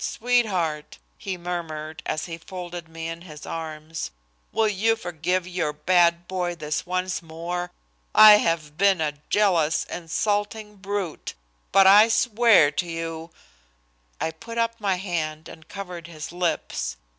sweetheart!" he murmured, as he folded me in his arms," will you forgive your bad boy this once more? I have been a jealous, insulting brute, but I swear to you " I put up my hand and covered his lips.